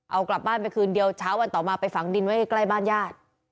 เอากลับบ้านไปคืนเดียวเช้าวันต่อมาไปฝังดินไว้ใกล้บ้านญาติ